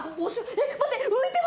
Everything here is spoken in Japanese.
えっ待って！